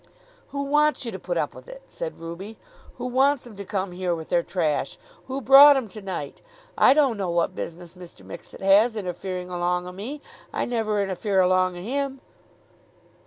"Who wants you to put up with it?" said Ruby. "Who wants 'em to come here with their trash? Who brought 'em to night? I don't know what business Mr. Mixet has interfering along o' me. I never interfere along o' him."